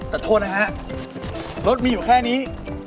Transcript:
แต่โทษนะฮะรถมีอยู่แค่นี้